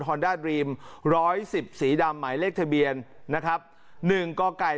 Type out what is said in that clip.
ฮอนดาดรีมร้อยสิบสีดำหมายเลขทะเบียนนะครับหนึ่งก่อไก่